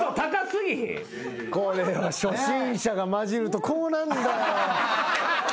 これは初心者が交じるとこうなんだよ。